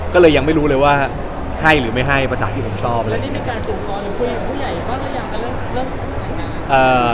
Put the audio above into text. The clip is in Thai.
ก็เลยยังไม่รู้เลยว่าให้หรือไม่ให้ประสาทที่ผมชอบอะไรอย่างนี้